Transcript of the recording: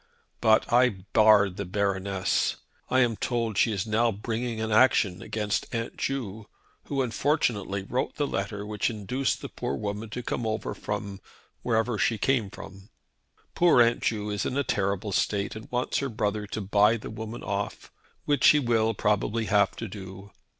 But I barred the Baroness. I am told that she is now bringing an action against Aunt Ju, who unfortunately wrote the letter which induced the woman to come over from wherever she came from. Poor Aunt Ju is in a terrible state, and wants her brother to buy the woman off, which he will probably have to do.